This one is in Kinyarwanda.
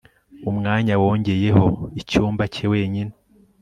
Umwanya wongeyeho icyumba cye wenyine